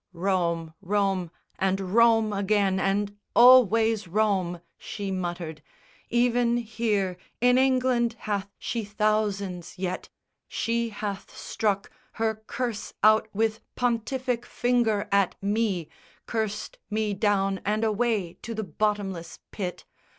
"Rome, Rome, and Rome again, And always Rome," she muttered; "even here In England hath she thousands yet. She hath struck Her curse out with pontific finger at me, Cursed me down and away to the bottomless pit.